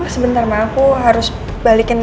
sebentar mah aku harus balikin